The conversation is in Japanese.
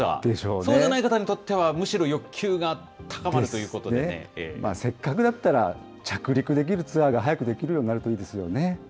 そうではない方にとっては、むしせっかくだったら着陸できるツアーが早くできるようになるといいですよね。